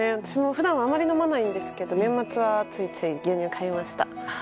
私も普段はあまり飲まないけど年末はつい牛乳買いました。